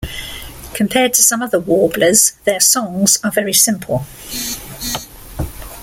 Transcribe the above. Compared to some other "warblers", their songs are very simple.